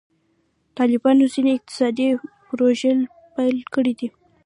طالبانو ځینې اقتصادي پروژې پیل کړي دي.